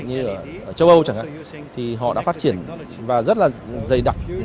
như ở châu âu chẳng hạn thì họ đã phát triển và rất là dày đặc